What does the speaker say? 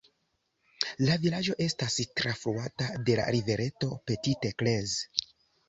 La vilaĝo estas trafluata de la rivereto Petite Creuse.